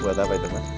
buat apa itu mas